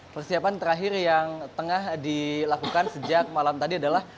persiapan terakhir yang tengah dilakukan sejak malam tadi adalah